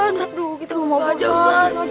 ustadz aduh kita nggak mau bajau ustadz